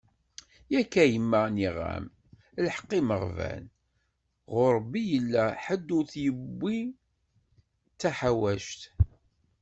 Yak a yemma nniɣ-am, lḥeq imeɣban, ɣur Rebbi i yella, ḥedd ur t-yewwi d taḥawact.